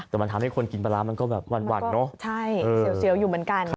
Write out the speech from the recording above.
แต่มันทำให้คนกินปลาร้ามันก็แบบหวั่นเนอะใช่เสียวอยู่เหมือนกัน